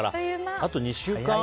あと２週間？